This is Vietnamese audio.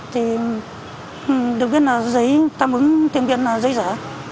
thì được biết là